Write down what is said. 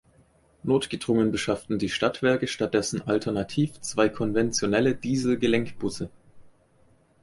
Notgedrungen beschafften die Stadtwerke stattdessen alternativ zwei konventionelle Diesel-Gelenkbusse.